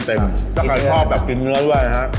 ถ้าใครคอบกินเนื้อด้วยนะฮะ